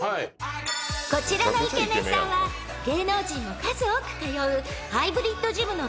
［こちらのイケメンさんは芸能人も数多く通うハイブリッドジムの